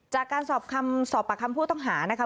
จากการสอบประคำผู้ต้องหานะคะ